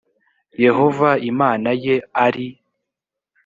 yehova imana ye ari